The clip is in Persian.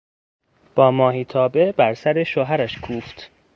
با ماهیتابه بر سر شوهرش کوفت.